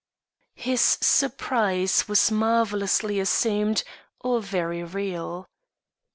His surprise was marvelously assumed or very real.